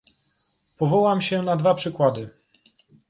Powołam się na dwa przykłady